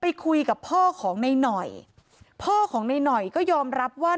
ไปคุยกับพ่อของในหน่อยพ่อของในหน่อยก็ยอมรับว่า